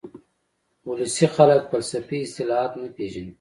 ولسي خلک فلسفي اصطلاحات نه پېژني